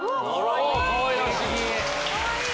かわいい！